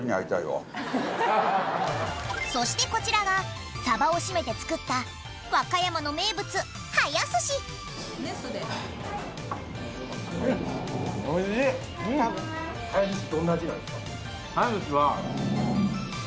そしてこちらはサバを締めて作った和歌山の名物うん！